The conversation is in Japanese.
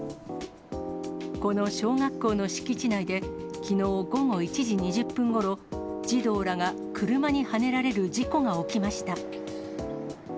この小学校の敷地内で、きのう午後１時２０分ごろ、児童らが車にはねられる事故が起きました。